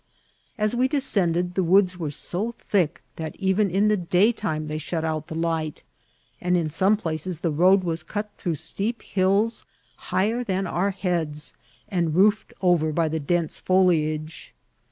As we descended, the woods were so thick that even in the daytime they shot out the light, and in s(»ne places the road was cut tfurough steep h31s higher than our heads, and roofed over by the dense fcdiage.